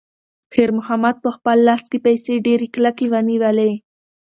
خیر محمد په خپل لاس کې پیسې ډېرې کلکې ونیولې.